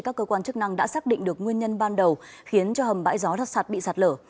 các cơ quan chức năng đã xác định được nguyên nhân ban đầu khiến hầm bãi gió đặt sạt bị sạt lở